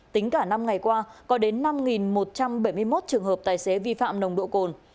tính cả năm ngày qua có đến năm một trăm bảy mươi một trường hợp tài xế vi phạm nồng độ cồn